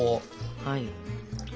はい。